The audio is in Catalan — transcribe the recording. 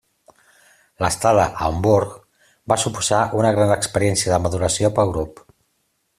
L'estada a Hamburg va suposar una gran experiència de maduració pel grup.